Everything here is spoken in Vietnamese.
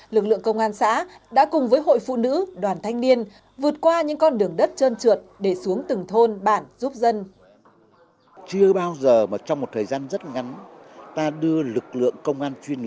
lực lượng công an xã đã cùng với hội phụ nữ đoàn thanh niên vượt qua những con đường đất trơn trượt để xuống từng thôn bản giúp dân